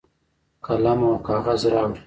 قلم او کاغذ راوړي.